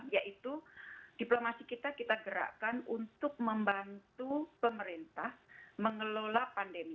yaitu diplomasi kita kita gerakkan untuk membantu pemerintah mengelola pandemi